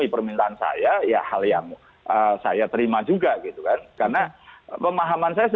karena naik helikopter mewah saat